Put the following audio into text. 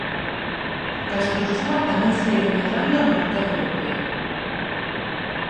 Castrosua tamén segue medrando no mercado europeo.